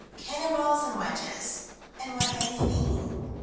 Cannon balls and wedges, and what may they mean?